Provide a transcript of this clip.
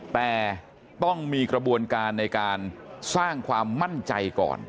แต่ต้องมีกระบวนการในการสร้างความมั่นใจก่อน